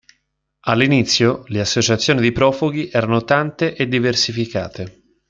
All'inizio le associazioni di profughi erano tante e diversificate.